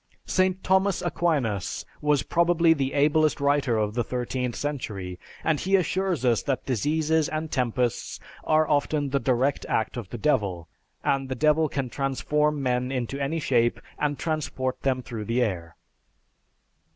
St. Thomas Aquinas was probably the ablest writer of the thirteenth century, and he assures us that diseases and tempests are often the direct act of the Devil; and the Devil can transform men into any shape and transport them through the air.